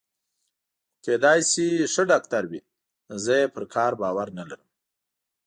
خو کېدای شي ښه ډاکټر وي، زه یې پر کار باور نه لرم.